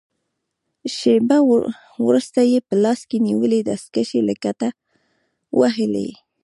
شېبه وروسته يې په لاس کې نیولې دستکشې له کټه ووهلې.